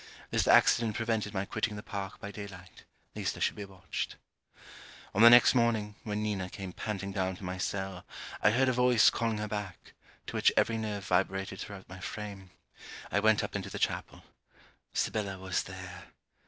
This accident prevented my quitting the park by day light, least I should be watched. On the next morning, when Nina came panting down to my cell, I heard a voice calling her back, to which every nerve vibrated throughout my frame. I went up into the chapel. Sibella was there.